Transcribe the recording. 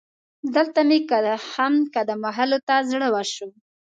دلته مې هم قدم وهلو ته زړه وشو.